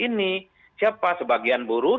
jadi ini siapa sebagian buruh